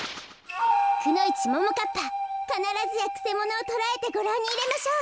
くのいちももかっぱかならずやくせものをとらえてごらんにいれましょう。